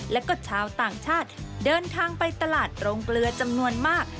แล้วก็ชาวต่างชาติเดินทางไปตลาดโรงเกลือจำนวนมาก